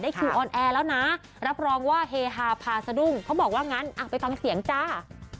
คิวออนแอร์แล้วนะรับรองว่าเฮฮาพาสะดุ้งเขาบอกว่างั้นไปฟังเสียงจ้า